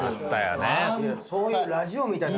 「そういうラジオみたいな」